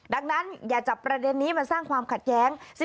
ดังนั้นอย่าจับประเด็นนี้มาสร้างความขัดแย้ง